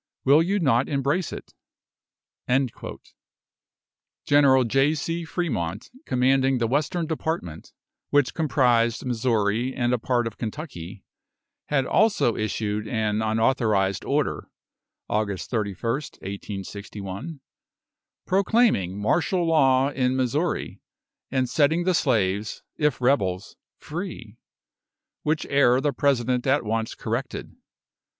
Will you not embrace it?" General J. C. Fremont, commanding the Western Department, which comprised Missouri and a part of Kentucky, had also issued an unauthorised order (August 31st, 1861), proclaiming martial law in Missouri, and setting the slaves, if rebels, free; which error the President at once corrected.